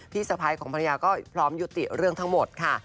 สะพ้ายของภรรยาก็พร้อมยุติเรื่องทั้งหมดค่ะ